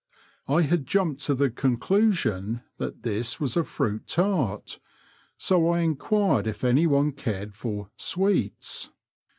I had jumped to the conclusion that this was a firuit tart, so I enquired if any one cared for " sweets."